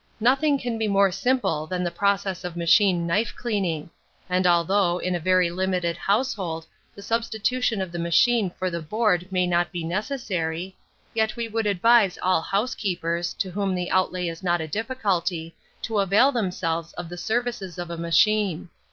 Nothing can be more simple than the process of machine knife cleaning; and although, in a very limited household, the substitution of the machine for the board may not be necessary, yet we should advise all housekeepers, to whom the outlay is not a difficulty, to avail themselves of the services of a machine.